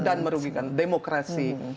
dan merugikan demokrasi